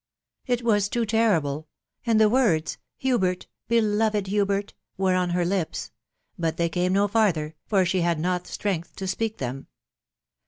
.... It was too terrible, and the words, a Hubert ! beloved Hubert 1" were on her lips ; but they came no farther, for she had not strength to speak them.